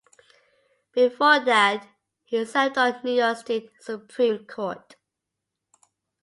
Before that, he served on the New York State Supreme Court.